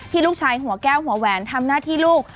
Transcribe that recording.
ลูกชายหัวแก้วหัวแหวนทำหน้าที่ลูก